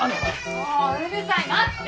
もううるさい待って。